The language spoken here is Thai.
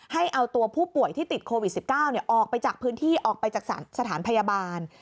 ให้เอาตัวผู้ป่วยที่ติดโควิด๑๙ออกไปจากพื้นที่ออกไปจากสถานพยาบาล